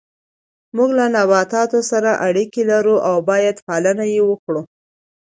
موږ له نباتاتو سره اړیکه لرو او باید پالنه یې وکړو